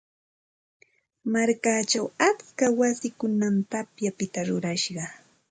Markachaw atska wayikunam tapyapita rurashqa.